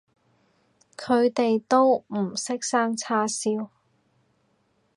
佢哋都唔識生叉燒